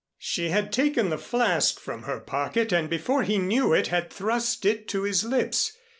She had taken the flask from her pocket and before he knew it had thrust it to his lips.